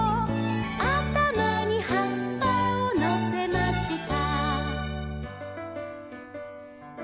「あたまにはっぱをのせました」